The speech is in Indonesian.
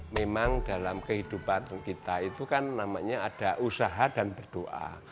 memang dalam kehidupan kita itu kan namanya ada usaha dan berdoa